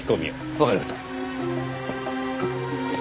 わかりました。